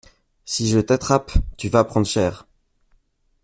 Si je t'attrape, tu vas prendre cher.